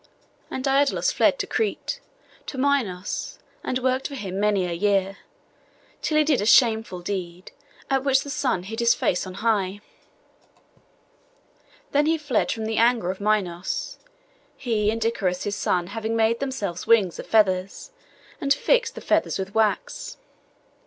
And Daidalos fled to Crete, to Minos, and worked for him many a year, till he did a shameful deed, at which the sun hid his face on high. Then he fled from the anger of Minos, he and Icaros his son having made themselves wings of feathers, and fixed the feathers with wax.